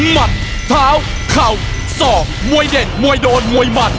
มัดเท้าเข่าสอกมวยเด็ดมวยโดนมวยหมัด